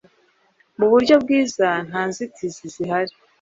Mu buryo bwiza, nta nzitizi zihari,